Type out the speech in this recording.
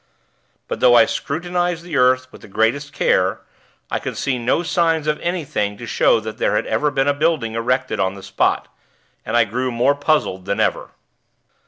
But though I scrutinized the earth with the greatest care, I could see no signs of anything to show that there had ever been a building erected on the spot, and I grew more puzzled than ever.